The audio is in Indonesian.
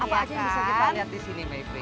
apa aja yang bisa kita lihat disini mbak ifri